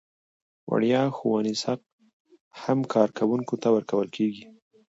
وړیا ښوونیز حق هم کارکوونکي ته ورکول کیږي.